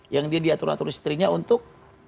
yang dia diatur atur istrinya untuk